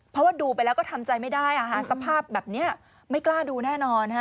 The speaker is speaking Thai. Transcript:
เพราะว่าดูไปแล้วก็ทำใจไม่ได้สภาพแบบนี้ไม่กล้าดูแน่นอน